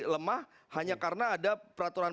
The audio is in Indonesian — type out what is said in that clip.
lemah hanya karena ada peraturan